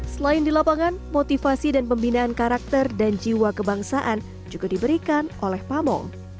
selain di lapangan motivasi dan pembinaan karakter dan jiwa kebangsaan juga diberikan oleh pamo